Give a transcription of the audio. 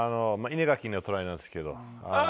稲垣のトライなんですけど。